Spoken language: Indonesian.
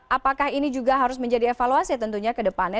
apakah ini juga harus menjadi evaluasi tentunya ke depannya